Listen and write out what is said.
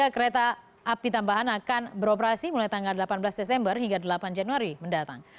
tiga kereta api tambahan akan beroperasi mulai tanggal delapan belas desember hingga delapan januari mendatang